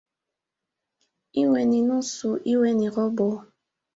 "Iwe ni nusu, iwe ni robo"